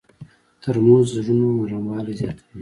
ترموز د زړونو نرموالی زیاتوي.